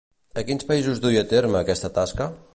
A quins països duia a terme aquesta tasca?